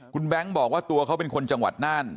คุณแบงค์บอกว่าตัวเขาเป็นคนจังหวัดน่าน